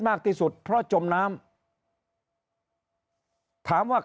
มากที่สุดเพราะจมน้ำถามว่า